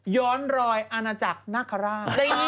ย้อนรอยอาณาจักรนาคาราช